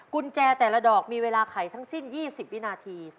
กุญแจแต่ละดอกมีเวลาไขทั้งสิ้น๒๐วินาที